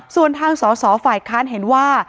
ส่วนทางสอสอฝ่ายค้านเห็นว่า